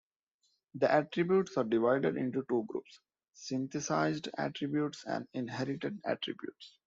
The attributes are divided into two groups: "synthesized" attributes and "inherited" attributes.